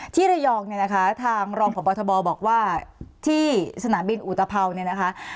ที่ระยองเนี่ยนะคะทางรองพบทบบอกว่าที่สนามบินอุตภัวเนี่ยนะคะ